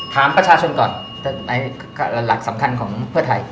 ถามประชาชนก่อนในหลักสำคัญของเพื่อไทย